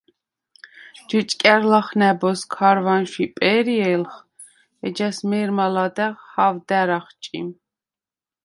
ჯჷჭკა̈რ ლახ ნა̈ბოზს ქარვანშვ იპვე̄რჲე̄ლხ, ეჯას მე̄რმა ლადა̈ღ ჰა̄ვდა̈რ ახჭიმ.